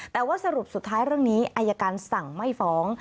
แต่ว่าสรุปสุดท้ายเรื่องนี้อายการสั่งไม่ฟ้อง